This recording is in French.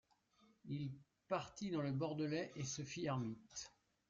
Il partit dans le bordelais et se fit ermite.